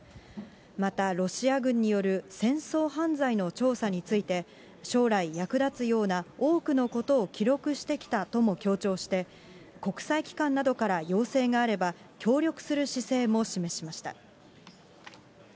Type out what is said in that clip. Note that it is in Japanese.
また、ロシア軍による戦争犯罪の調査について、将来役立つような多くのことを記録してきたとも強調して、国際機関などから要請があれば、協力する姿勢も示しました。